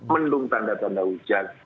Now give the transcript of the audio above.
mendung tanda tanda hujan